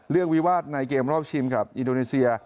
วิวาสในเกมรอบชิงกับอินโดนีเซีย